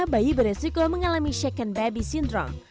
bayi beresiko mengalami second baby syndrome